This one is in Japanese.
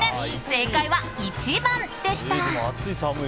正解は１番でした。